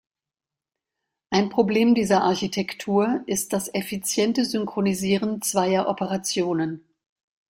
Ein Problem dieser Architektur ist das effiziente Synchronisieren zweier Operationen.